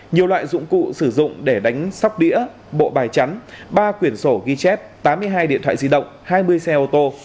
nhiều loại dụng cụ sử dụng để đánh sóc đĩa bộ bài chắn ba quyển sổ ghi chép tám mươi hai điện thoại di động hai mươi xe ô tô